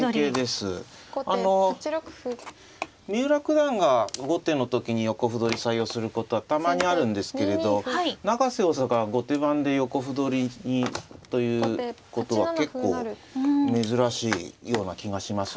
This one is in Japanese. あの三浦九段が後手の時に横歩取り採用することはたまにあるんですけれど永瀬王座が後手番で横歩取りにということは結構珍しいような気がしますね。